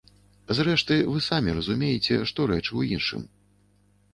Зрэшты, вы самі разумееце, што рэч у іншым.